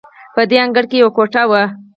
په دې انګړ کې یوه کوټه وه.